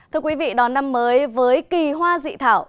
thưa quý vị đón năm mới với kỳ hoa dị thảo